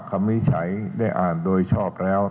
วิจัยได้อ่านโดยชอบแล้ว